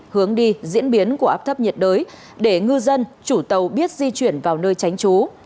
hướng đi diễn biến của áp thấp nhiệt đới để ngư dân chủ tàu biết di chuyển vào nơi tránh trú